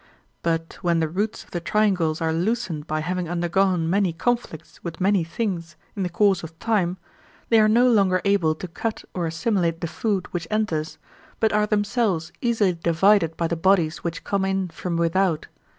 But when the roots of the triangles are loosened by having undergone many conflicts with many things in the course of time, they are no longer able to cut or assimilate the food which enters, but are themselves easily divided by the bodies which come in from without.